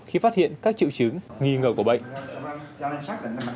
khi phát hiện các triệu chứng nghi ngờ của bệnh